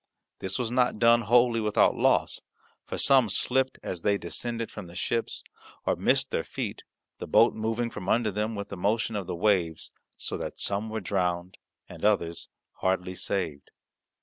This was not done wholly without loss, for some slipped as they descended from the ships, or missed their feet, the boat moving from under them with the motion of the waves, so that some were drowned and others hardly saved.